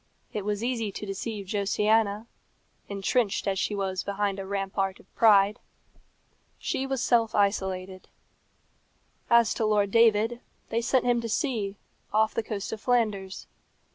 It was easy to deceive Josiana, entrenched as she was behind a rampart of pride. She was self isolated. As to Lord David, they sent him to sea, off the coast of Flanders.